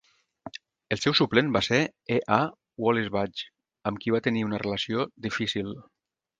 El seu suplent va ser E. A. Wallis Budge, amb qui va tenir una relació difícil.